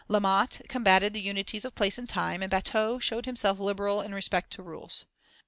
La Motte combated the unities of place and time, and Batteux showed himself liberal in respect to rules.